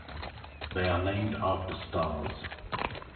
They are named after stars.